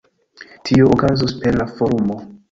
Tio okazos per la forumo.